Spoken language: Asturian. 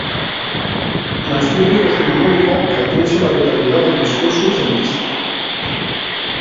Na Asturies decimonónica caltiénse la vitalidá del discursu celtista.